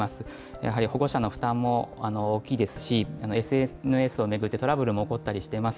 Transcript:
やはり保護者の負担も大きいですし、ＳＮＳを巡ってトラブルも起こったりしています。